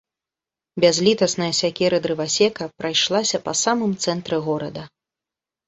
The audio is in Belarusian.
Бязлітасная сякера дрывасека прайшлася па самым цэнтры горада.